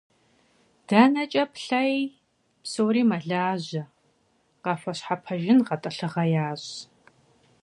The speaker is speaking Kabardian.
Дэнэкӏэ плъэи, псори мэлажьэ, къахуэщхьэпэжын гъэтӏылъыгъэ ящӏ.